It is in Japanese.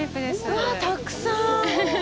うわ、たくさん。